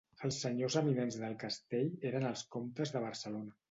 Els senyors eminents del castell eren els comtes de Barcelona.